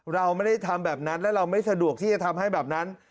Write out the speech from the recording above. เราไม่ได้ทำแบบนั้นและเราไม่สะดวกที่จะทำให้แบบนั้น